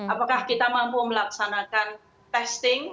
apakah kita mampu melaksanakan testing